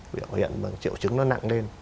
biểu hiện triệu chứng nó nặng lên